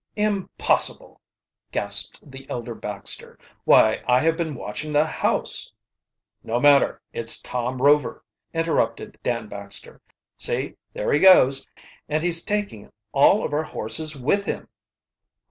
"Impossible!" gasped the elder Baxter. "Why, I have been watching the house " "No matter, it's Tom Rover!" interrupt Dan Baxter. "See, there he goes and he taking all of our horses with him!"